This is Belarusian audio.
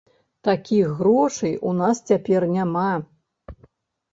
Такіх грошай у нас цяпер няма.